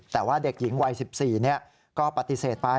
แต่ว่าเด็กหญิงวัย๑๔ก็ปฏิเสธไป